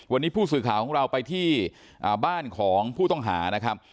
วันนี้ผู้สื่อข่าวของเราไปที่บ้านของผู้ต้องหานะครับ